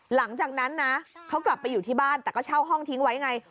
หลังจากนั้นนะเขากลับไปอยู่ที่บ้านแต่ก็เช่าห้องทิ้งไว้ไง